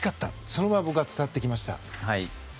それが僕には伝わってきました。